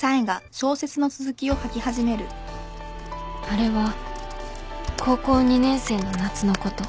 「あれは高校２年生の夏のこと」